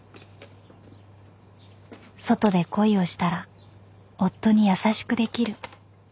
［「外で恋をしたら夫に優しくできる」］